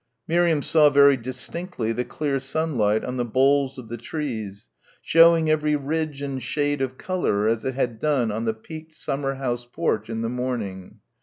Miriam saw very distinctly the clear sunlight on the boles of the trees showing every ridge and shade of colour as it had done on the peaked summer house porch in the morning.